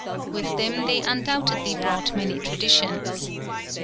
With them they undoubtedly brought many traditions.